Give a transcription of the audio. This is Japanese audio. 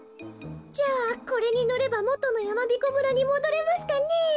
じゃあこれにのればもとのやまびこ村にもどれますかねえ。